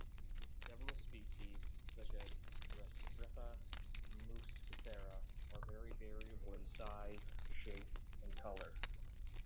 Several species, such as "Restrepia muscifera", are very variable in size, shape and color.